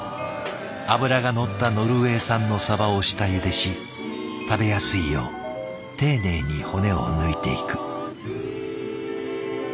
脂が乗ったノルウェー産のサバを下ゆでし食べやすいよう丁寧に骨を抜いていく。